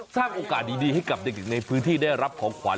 สร้างโอกาสดีให้กับเด็กในพื้นที่ได้รับของขวัญ